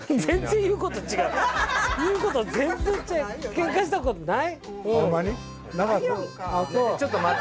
ケンカしたことない？